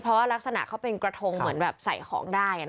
เพราะว่ารักษณะเขาเป็นกระทงเหมือนแบบใส่ของได้